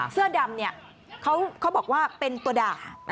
เสื้อดำเนี่ยเขาบอกว่าเป็นตัวด่า